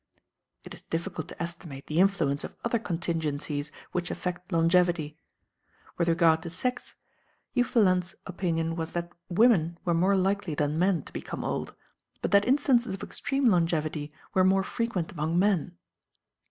It is difficult to estimate the influence of other contingencies which affect longevity. With regard to sex, Hufeland's opinion was that women were more likely than men to become old, but that instances of extreme longevity were more frequent among men.